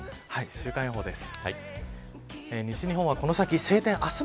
週間予報です。